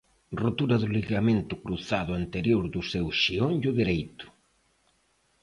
Rotura do ligamento cruzado anterior do seu xeonllo dereito.